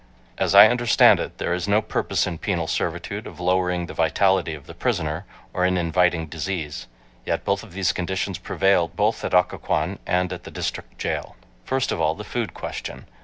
As I understand it, there is no purpose in penal servitude of lowering the vitality of the prisoner, or in inviting disease. Yet both of these conditions prevail both at Occoquan and at the District jail. First of all, the food question.